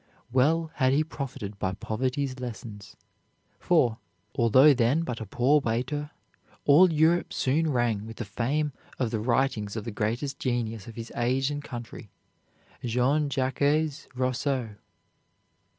Well had he profited by poverty's lessons; for, although then but a poor waiter, all Europe soon rang with the fame of the writings of the greatest genius of his age and country, Jean Jacques Rousseau.